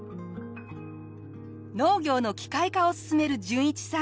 農業の機械化を進める順一さん。